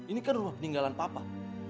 ini kan rumah peninggalan papa